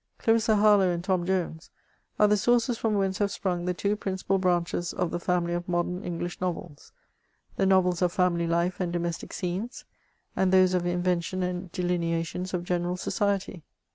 Clarissa Harlow and Tom Jones are the sources from whence have sprung the two principal branches of the £Eimily of modem English novels, the novels of family life and domestic scenes, and those of invention and delineations of general society.